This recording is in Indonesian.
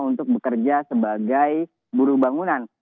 untuk bekerja sebagai buruh bangunan